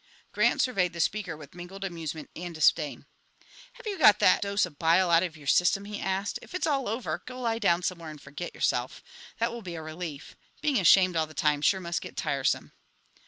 Grant surveyed the speaker with mingled amusement and disdain. "Have you got that dose of bile out of your system?" he asked. "If it's all over, go lie down somewhere and forget yourself. That will be a relief. Being ashamed all the time sure must get tiresome."